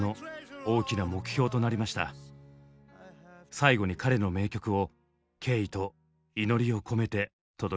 最後に彼の名曲を敬意と祈りを込めて届けます。